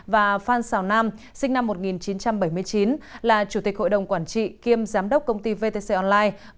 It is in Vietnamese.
và phan xào nam sinh năm một nghìn chín trăm bảy mươi chín là chủ tịch hội đồng quản trị kiêm giám đốc công ty vtc online